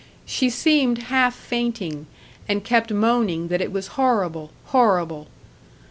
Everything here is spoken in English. She seemed half fainting, and kept moaning that it was horrible, horrible.